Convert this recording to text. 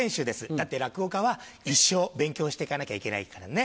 だって落語家は一生勉強していかなきゃいけないからね。